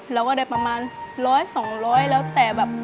เราก็ได้ประมาณร้อยสองร้อยแล้วแต่แบบ